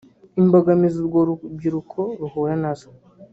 Imbogamizi urwo rubyiruko ruhura nazo